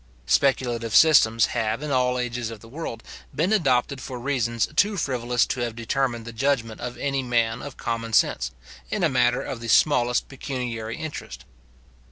Speculative systems, have, in all ages of the world, been adopted for reasons too frivolous to have determined the judgment of any man of common sense, in a matter of the smallest pecuniary interest.